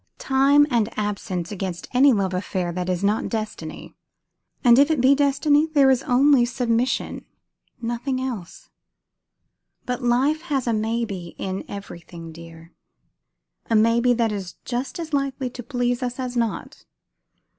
"Time and absence against any love affair that is not destiny! And if it be destiny, there is only submission, nothing else. But life has a 'maybe' in everything dear; a maybe that is just as likely to please us as not."